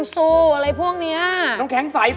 เจ้าไหน